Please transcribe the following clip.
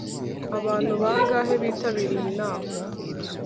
abantu bangahe bitabiriye inama